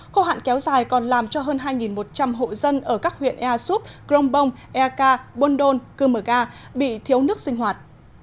khu hạn kéo dài còn làm cho hơn hai một trăm linh hộ dân ở các huyện ea súp grongbong ea ca bồn đôn cư mở ga bị thiếu nước sinh hoạt